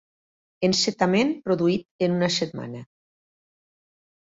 Encetament produït en una setmana.